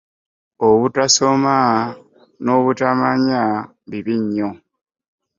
Obutasoma no butamanya bibi nnyo.